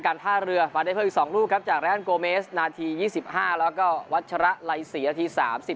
วันตั้งตั้ง๓นาที๒๕แล้วก็วัชระไหล๔นาที๓๕